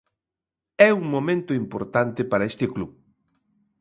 É un momento importante para este club.